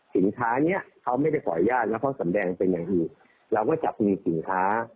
สินค้าเนี้ยเขาไม่ได้ขออนุญาตแล้วเขาสำแดงเป็นอย่างอื่นเราก็จับมีสินค้า